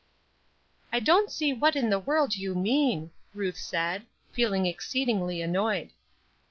"I don't see what in the world you mean!" Ruth said, feeling exceedingly annoyed.